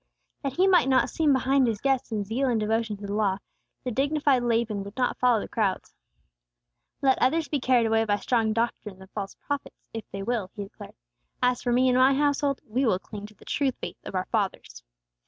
That he might not seem behind his guests in zeal and devotion to the Law, the dignified Laban would not follow the crowds. "Let others be carried away by strange doctrines and false prophets, if they will," he declared; "as for me and my household, we will cling to the true faith of our fathers."